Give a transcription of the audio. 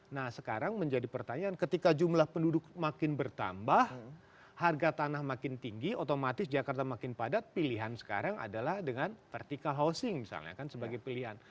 nah sekarang menjadi pertanyaan ketika jumlah penduduk makin bertambah harga tanah makin tinggi otomatis jakarta makin padat pilihan sekarang adalah dengan vertikal housing misalnya kan sebagai pilihan